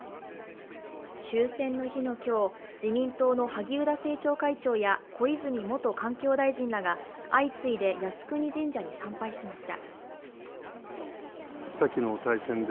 終戦の日の今日、自民党の萩生田政調会長や小泉元環境大臣らが相次いで靖国神社に参拝しました。